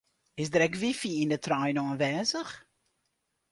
Is der ek wifi yn de trein oanwêzich?